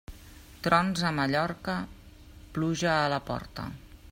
Trons a Mallorca, pluja a la porta.